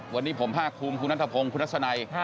วันนี้ผม๕คุมครูนัททะพงครูนัฏศนัย